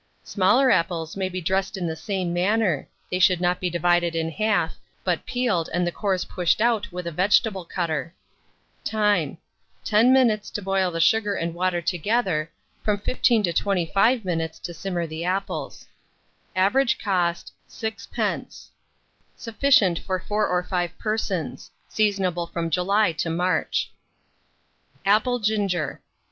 Smaller apples may be dressed in the same manner: they should not be divided in half, but peeled and the cores pushed out with a vegetable cutter. Time. 10 minutes to boil the sugar and water together; from 15 to 25 minutes to simmer the apples. Average cost, 6d. Sufficient for 4 or 5 persons. Seasonable from July to March. APPLE GINGER.